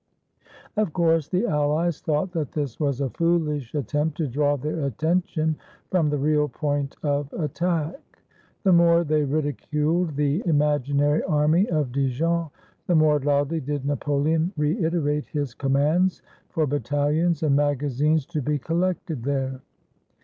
Of course the Allies thought that this was a foolish attempt to draw their attention from the real point of attack. The more they ridiculed the imaginary army of Dijon, the more loudly did Napoleon reiterate his commands for battalions and magazines to be collected there.